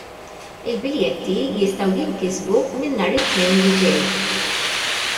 Il-biljetti jistgħu jinkisbu minn nhar it-Tnejn li ġej.